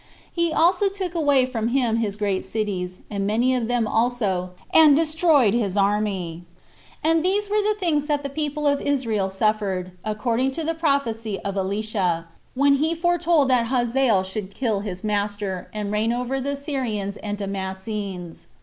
He also took away from him his great cities, and many of them also, and destroyed his army. And these were the things that the people of Israel suffered, according to the prophecy of Elisha, when he foretold that Hazael should kill his master, and reign over the Syrians and Damscenes.